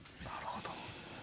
なるほど。